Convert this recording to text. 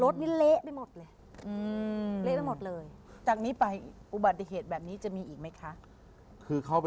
ที่เข้าเป็นคนต่อแม่งก็เลยเรียกว่า